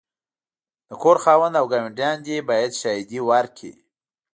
د کور خاوند او ګاونډیان دي باید شاهدې ورکړې.